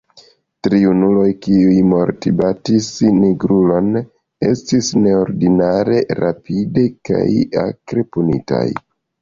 Tri junuloj, kiuj mortbatis nigrulon, estis neordinare rapide kaj akre punitaj.